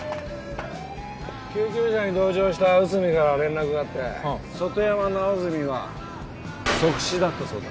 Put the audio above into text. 救急車に同乗した内海から連絡があって外山直澄は即死だったそうだ。